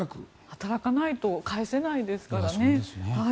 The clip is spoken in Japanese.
働かないと返せないですからね。